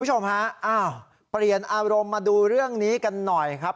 คุณผู้ชมฮะอ้าวเปลี่ยนอารมณ์มาดูเรื่องนี้กันหน่อยครับ